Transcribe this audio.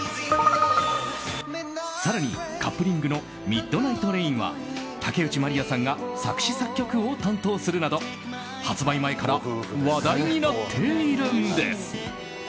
更にカップリングの「ＭｉｄｎｉｇｈｔＲａｉｎ」は竹内まりやさんが作詞・作曲を担当するなど発売前から話題になっているんです。